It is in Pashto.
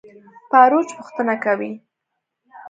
باروچ پوښتنه کوي.